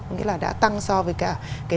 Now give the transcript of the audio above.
nghĩa là đã tăng so với cả